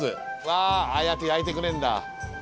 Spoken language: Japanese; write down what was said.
わあああやって焼いてくれんだ。